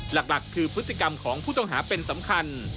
หลักคือพฤติกรรมของผู้ต้องหาเป็นสำคัญ